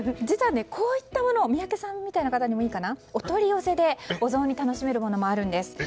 実は、こういったものを宮家さんみたいな方にお取り寄せでお雑煮楽しめるものもあるんです。